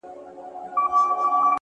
فکر مي وران دی حافظه مي ورانه ،